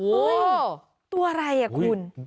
เฮ้ยตัวอะไรอ่ะคุณ